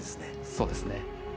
そうですね。